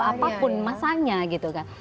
apapun masanya gitu kan